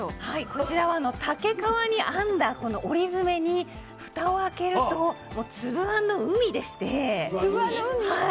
こちらは竹川に編んだ折詰にふたを開けると粒あんの海でして。